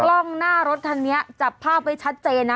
กล้องหน้ารถคันนี้จับภาพไว้ชัดเจนนะ